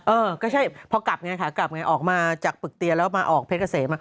เออก็ใช่พอกลับไงขากลับไงออกมาจากปึกเตียแล้วมาออกเพชรเกษม